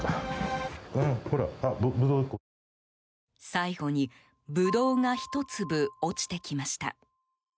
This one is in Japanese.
最後にブドウが１粒落ちてきました。